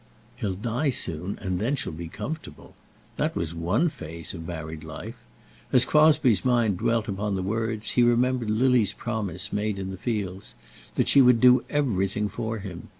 He'll die soon, and then she'll be comfortable! That was one phase of married life. As Crosbie's mind dwelt upon the words, he remembered Lily's promise made in the fields, that she would do everything for him.